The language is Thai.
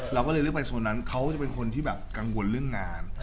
เราก็เลยเลือกไปโซนนั้นเขาจะเป็นคนที่แบบกังวลเรื่องงาน